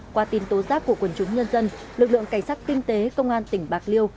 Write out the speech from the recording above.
qua tin tố giác của quần chúng nhân dân lực lượng cảnh sát kinh tế công an tỉnh bạc liêu